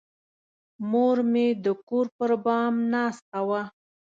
مور مې د کور پر بام ناسته وه.